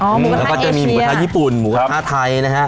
อ๋อหมูกระทะเอเชียแล้วก็จะมีหมูกระทะญี่ปุ่นหมูกระทะไทยนะฮะ